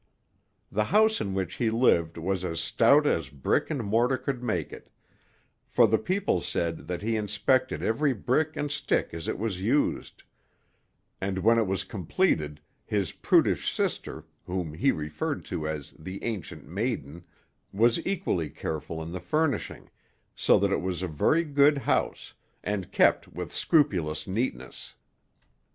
The house in which he lived was as stout as brick and mortar could make it; for the people said that he inspected every brick and stick as it was used; and when it was completed, his prudish sister, whom he referred to as the "Ancient Maiden," was equally careful in the furnishing, so that it was a very good house, and kept with scrupulous neatness.